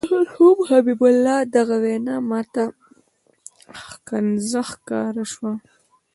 د مرحوم حبیب الرحمن دغه وینا ماته ښکنځا ښکاره شوه.